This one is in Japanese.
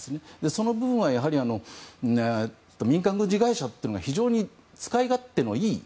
その部分は民間軍事会社というのが非常に使い勝手のいい。